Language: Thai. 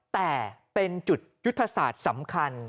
แต่เป็นจุดยุทธศาสตร์สำคัญ